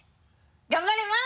頑張ります。